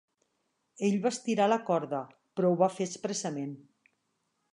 Ell va estirar la corda, però ho va fer expressament.